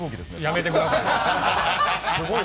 やめてください。